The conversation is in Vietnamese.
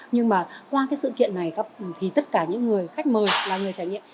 nhưng mà qua cái sự kiện này thì tất cả những người khách mời là người trải nghiệm